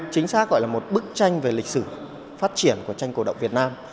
chính xác gọi là một bức tranh về lịch sử phát triển của tranh cổ động việt nam